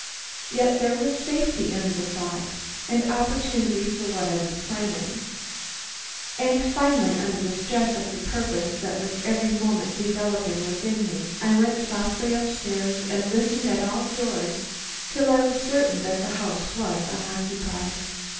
Yet there was safety in the thought, and opportunity for what I was planning, and finally, under the stress of the purpose that was every moment developing within me, I went softly up stairs and listened at all the doors till I was certain that the house was unoccupied.